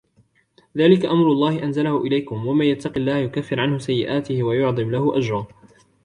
ذَلِكَ أَمْرُ اللَّهِ أَنْزَلَهُ إِلَيْكُمْ وَمَنْ يَتَّقِ اللَّهَ يُكَفِّرْ عَنْهُ سَيِّئَاتِهِ وَيُعْظِمْ لَهُ أَجْرًا